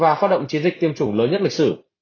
và phát động chiến dịch tiêm chủng lớn nhất lịch sử